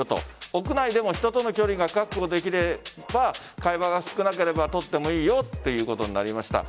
屋内でも人との距離が確保できれば会話が少なければ取ってもいいよということになりました。